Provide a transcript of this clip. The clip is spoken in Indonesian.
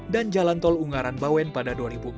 dan jalan tol ungaran bawen pada dua ribu empat belas